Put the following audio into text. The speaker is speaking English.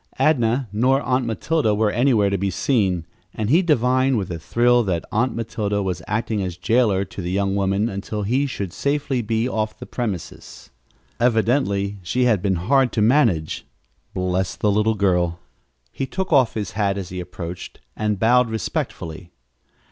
Adnah nor Aunt Matilda were anywhere to be seen, and he divined with a thrill that Aunt Matilda was acting as jailer to the young woman until he should be safely off the premises. Evidently she had been hard to manage. Bless the little girl! He took off his hat as he approached and bowed respectfully.